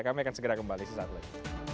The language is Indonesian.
kami akan segera kembali sesaat lagi